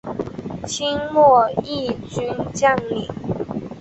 清末毅军将领。